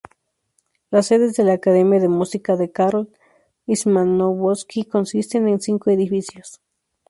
Las sedes de la Academia de Música de Karol Szymanowski consisten en cinco edificios.